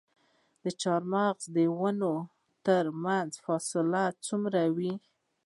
د چهارمغز د ونو ترمنځ فاصله څومره وي؟